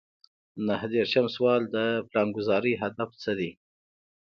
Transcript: نهه دېرشم سوال د پلانګذارۍ هدف څه دی.